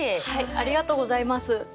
ありがとうございます。